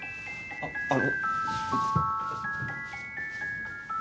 あっあの。